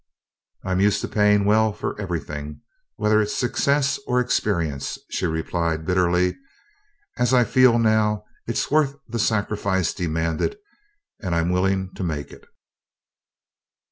"I'm used to paying well for everything, whether it's success or experience," she replied bitterly. "As I feel now, it's worth the sacrifice demanded, and I'm willing to make it."